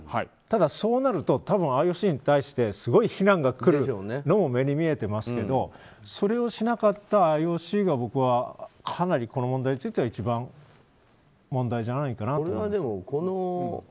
ただ、そうなるとＩＯＣに対してすごい非難が来るのも目に見えてますけどそれをしなかったＩＯＣが僕はかなりこの問題については一番問題じゃないかなと思います。